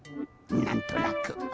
なんとなく。